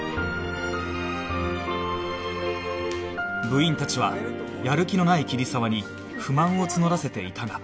部員たちはやる気のない桐沢に不満を募らせていたが